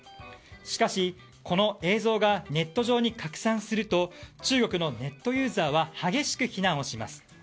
しかし、この映像がネット上に拡散すると中国のネットユーザーは激しく非難します。